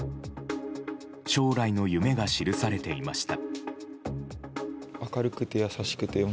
将来の夢が記されていました。